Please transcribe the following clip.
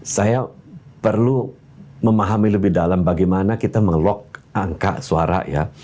saya perlu memahami lebih dalam bagaimana kita mengelok angka suara ya